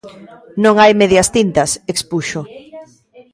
Non hai medias tintas, expuxo.